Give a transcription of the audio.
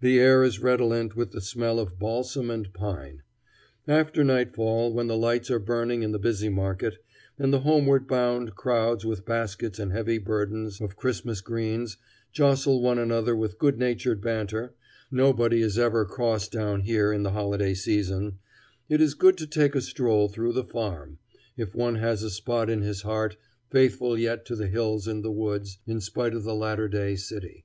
The air is redolent with the smell of balsam and pine. After nightfall, when the lights are burning in the busy market, and the homeward bound crowds with baskets and heavy burdens of Christmas greens jostle one another with good natured banter, nobody is ever cross down here in the holiday season, it is good to take a stroll through the Farm, if one has a spot in his heart faithful yet to the hills and the woods in spite of the latter day city.